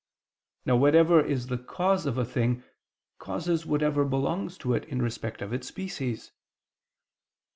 Now whatever is the cause of a thing, causes whatever belongs to it in respect of its species.